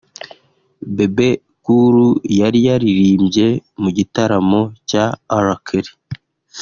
Bebe Cool yari yaririmbye mu gitaramo cya R Kelly